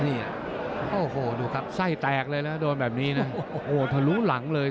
เนี่ยโอ้โหดูครับไส้แตกเลยนะโดนแบบนี้นะโอ้โหทะลุหลังเลย